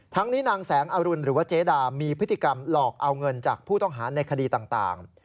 นี้นางแสงอรุณหรือว่าเจดามีพฤติกรรมหลอกเอาเงินจากผู้ต้องหาในคดีต่าง